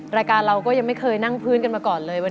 รายการเราก็ยังไม่เคยนั่งพื้นกันมาก่อนเลย